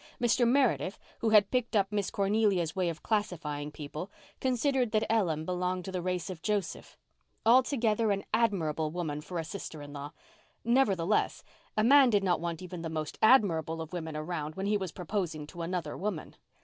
Mr. Meredith, who had picked up Miss Cornelia's way of classifying people, considered that Ellen belonged to the race of Joseph. Altogether, an admirable woman for a sister in law. Nevertheless, a man did not want even the most admirable of women around when he was proposing to another woman.